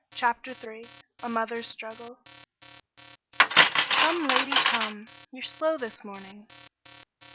CHAPTER III A MOTHER'S STRUGGLE "Come, Lady, come. You're slow this morning."